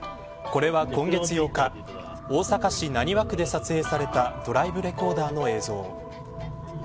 これは今月８日大阪市浪速区で撮影されたドライブレコーダーの映像。